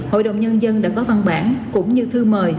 hội đồng nhân dân đã có văn bản cũng như thư mời